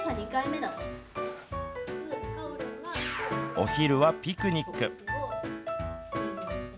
お昼はピクニック。